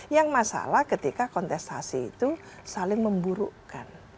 yang masalah ketika kontestasi itu saling memburukkan